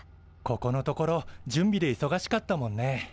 ここのところ準備でいそがしかったもんね。